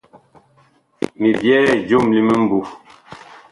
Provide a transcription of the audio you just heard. Mi byɛɛ joom li mimbu.